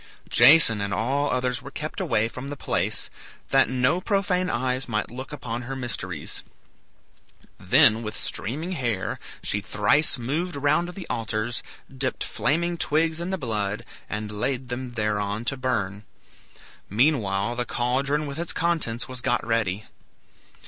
Jason and all others were kept away from the place, that no profane eyes might look upon her mysteries. Then, with streaming hair, she thrice moved round the altars, dipped flaming twigs in the blood, and laid them thereon to burn. Meanwhile the caldron with its contents was got ready.